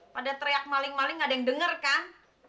pada teriak maling maling ada yang denger kan